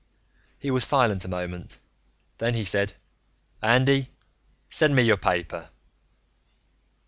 He was silent a moment. Then he said, "Andy, send me your paper."